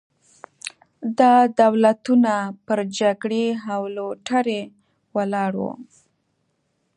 دا دولتونه پر جګړې او لوټرۍ ولاړ وو.